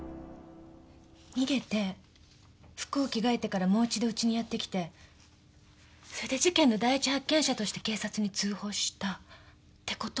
逃げて服を着替えてからもう一度ウチにやって来てそれで事件の第一発見者として警察に通報したってこと？